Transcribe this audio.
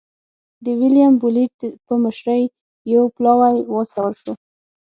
د ویلیم بولېټ په مشرۍ یو پلاوی واستول شو.